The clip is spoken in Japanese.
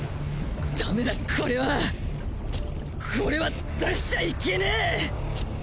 ダメだこれは！これは出しちゃいけねェ！